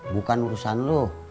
bukan urusan lu